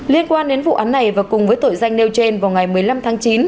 liên quan đến vụ án này và cùng với tội danh nêu trên vào ngày một mươi năm tháng chín